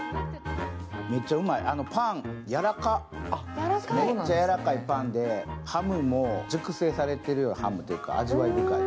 めっちゃうまい、パンやわらめっちゃやらかいパンでハムも熟成されてるようなハムというか、味わい深い。